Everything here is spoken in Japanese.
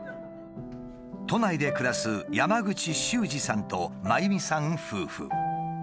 都内で暮らす山口秀司さんと真弓さん夫婦。